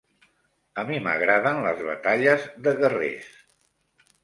A mi m'agraden les batalles de guerrers.